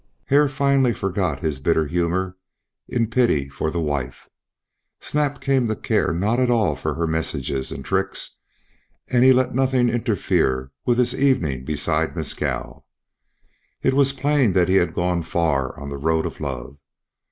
Hare finally forgot his bitter humor in pity for the wife. Snap came to care not at all for her messages and tricks, and he let nothing interfere with his evening beside Mescal. It was plain that he had gone far on the road of love.